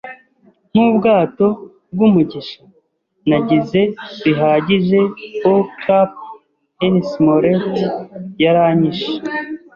nkubwato bwumugisha? Nagize 'bihagije o' Cap'n Smollett; yaranyishe